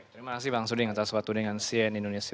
terima kasih bang suding atas suatu dengan cn indonesia